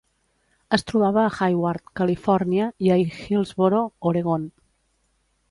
Es trobava a Hayward, Califòrnia, i a Hillsboro, Oregon.